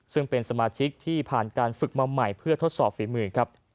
ซึ่งเป็นสมาชิกที่ผ่านการฝึกมาใหม่เพื่อทดสอบฝีมือครับ